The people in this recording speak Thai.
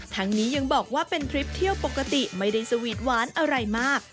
ทั้งนี้ยังบอกว่าเป็นทริปเที่ยวปกติไม่ได้สวีทหวานอะไรมาก